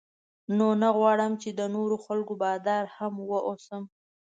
نو نه غواړم چې د نورو خلکو بادار هم واوسم.